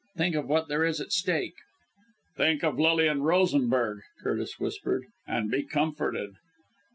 Think of what there is at stake." "Think of Lilian Rosenberg," Curtis whispered, "and be comforted."